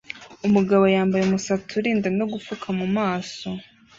Umugabo yambaye umusatsi urinda no gupfuka mu maso